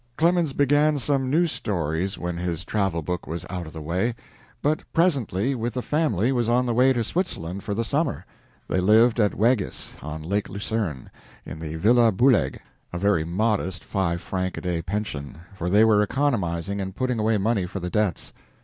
Clemens began some new stories when his travel book was out of the way, but presently with the family was on the way to Switzerland for the summer. They lived at Weggis, on Lake Lucerne, in the Villa Buhlegg a very modest five franc a day pension, for they were economizing and putting away money for the debts.